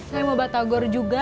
saya mau batagor juga